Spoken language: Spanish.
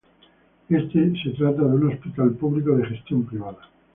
Este se trata de un hospital público de gestión privada.